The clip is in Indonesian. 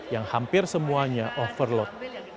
yang hampir semuanya overload